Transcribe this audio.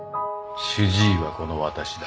主治医はこの私だ。